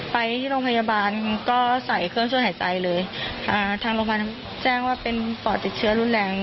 ไปที่โรงพยาบาลก็ใส่เครื่องช่วยหายใจเลยอ่าทางโรงพยาบาลแจ้งว่าเป็นปอดติดเชื้อรุนแรง